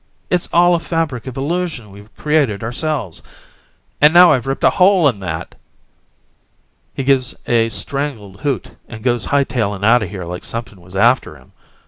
It's all a fabric of illusion we've created ourselves! And now I've ripped a hole in that!" He gives a strangled hoot and goes hightailin' outta here like somepin' was after him.